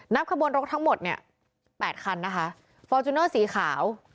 ขบวนรถทั้งหมดเนี่ย๘คันนะคะฟอร์จูเนอร์สีขาว